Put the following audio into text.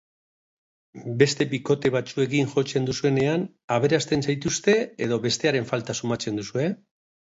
Beste bikote batzuekin jotzen duzuenean, aberasten zaituzte edo bestearen falta sumatzen duzue?